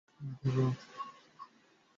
আহ, আবারও বলছি, যী নামটার কোনো মানে নেই।